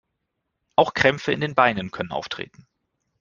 Auch Krämpfe in den Beinen können auftreten.